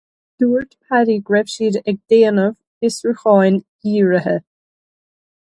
Dúirt Paddy go raibh siad ag déanamh fiosrúcháin dhírithe.